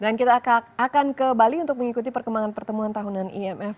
dan kita akan ke bali untuk mengikuti perkembangan pertemuan tahunan imf